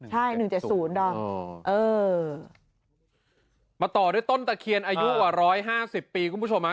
ใช่หนึ่งเจ็ดศูนย์ดอกเออมาต่อด้วยต้นตะเคียนอายุอ่ะร้อยห้าสิบปีคุณผู้ชมฮะ